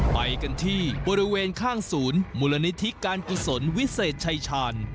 ไปกันที่บริเวณข้างศูนย์มูลนิธิการกุศลวิเศษชายชาญ